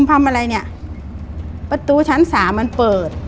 ประตูชั้นสามอันเปิด